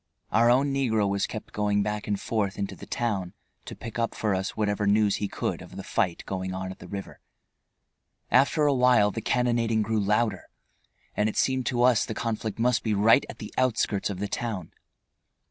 Our own negro was kept going back and forth into the town to pick up for us whatever news he could of the fight going on at the river. After awhile the cannonading grew louder, and it seemed to us the conflict must be right at the outskirts of the town.